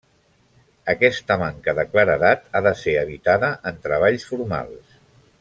Aquesta manca de claredat ha de ser evitada en treballs formals.